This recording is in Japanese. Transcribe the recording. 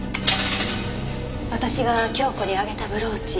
私が京子にあげたブローチ。